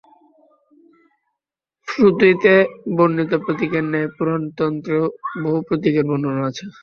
শ্রুতিতে বর্ণিত প্রতীকের ন্যায় পুরাণ-তন্ত্রেও বহু প্রতীকের বর্ণনা আছে।